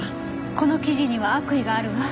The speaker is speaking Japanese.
この記事には悪意があるわ。